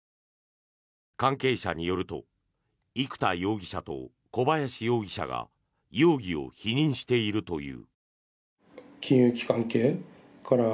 関係者によると生田容疑者と小林容疑者が容疑を否認しているという。